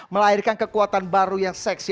melahirkan kekuatan baru yang seksi